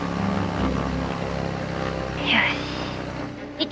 よし。